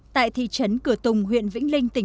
tại thị trấn cửa tùng huyện vĩnh linh